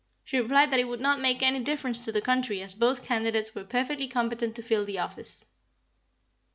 She replied that it would not make any difference to the country as both candidates were perfectly competent to fill the office.